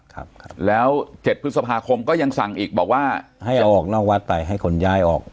ครับแล้วเจ็ดพฤษภาคมก็ยังสั่งอีกบอกว่าให้เอาออกนอกวัดไปให้คนย้ายออก